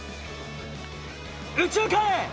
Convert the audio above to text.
右中間へ。